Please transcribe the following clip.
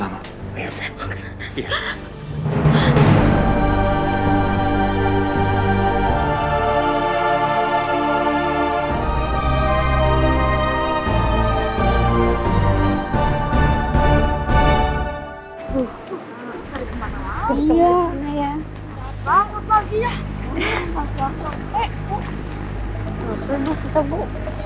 gak perlu kita bu